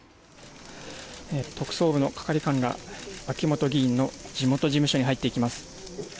特捜部の係官が秋本議員の事務所に入っていきます。